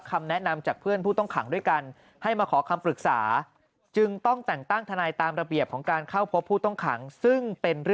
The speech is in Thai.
ทำแนะนำของบุคคลเท่านั้น